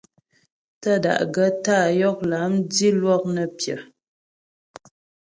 Tə́ da'gaə́ tá'a yɔk lâm dilwɔk nə́ pyə.